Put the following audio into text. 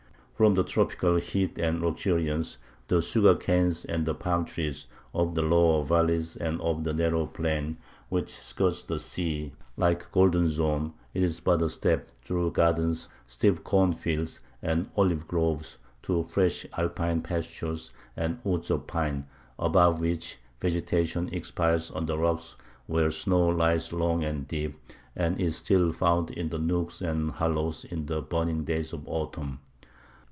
From the tropical heat and luxuriance, the sugar canes and the palm trees, of the lower valleys and of the narrow plain which skirts the sea like a golden zone, it is but a step, through gardens, steep cornfields, and olive groves, to fresh Alpine pastures and woods of pine, above which vegetation expires on the rocks where snow lies long and deep, and is still found in nooks and hollows in the burning days of autumn.